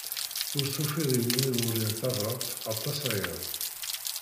Ur tufiḍ iwimi uriɣ tabrat aṭas aya.